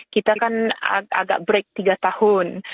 kita kan agak break tiga tahun